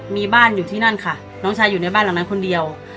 มีบ้านอยู่ที่นั่นค่ะน้องชายอยู่ในบ้านหลังนั้นคนเดียว